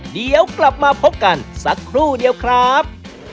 เดี๋ยวกลับมาพบกันสักครู่เดียวครับ